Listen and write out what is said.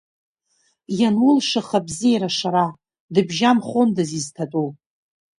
Ианулшах абзеира ашара, дыбжьамхондаз изҭатәу…